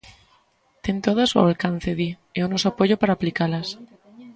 Ten todas ao alcance, di, e o noso apoio para aplicalas.